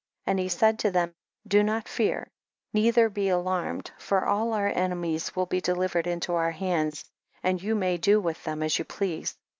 36. And he said to them, do not fear, neither be alarmed, for all our enemies will be delivered into our hands, and you may do with them as you please.